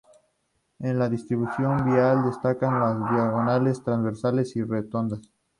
En la distribución vial destacan las diagonales, transversales y rotondas.